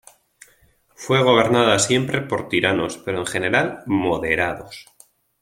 Fue gobernada siempre por tiranos, pero en general moderados.